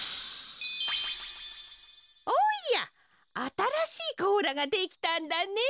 おやあたらしいこうらができたんだねえ。